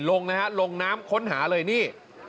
ลงนะฮะลงน้ำค้นหาเลยนี่